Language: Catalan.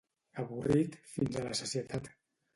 Avorrit fins a la sacietat.